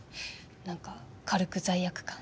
何か軽く罪悪感。